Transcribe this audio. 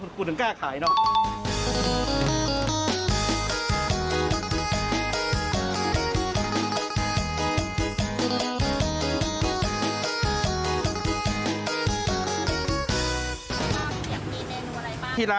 คุณจึงแก้ข่ายเนอะ